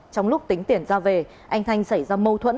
trong lúc tính tiền ra về anh thanh xảy ra mâu thuẫn